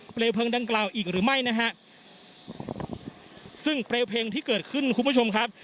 เลวเพลิงดังกล่าวอีกหรือไม่นะฮะซึ่งเปลวเพลิงที่เกิดขึ้นคุณผู้ชมครับ